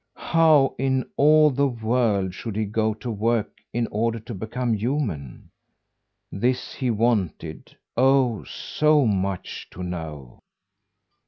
How in all the world should he go to work in order to become human? This he wanted, oh! so much, to know.